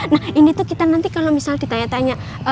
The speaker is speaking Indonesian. nah ini tuh kita nanti kalau misal ditanya tanya